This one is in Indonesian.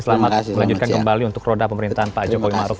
selamat melanjutkan kembali untuk roda pemerintahan pak jokowi maruf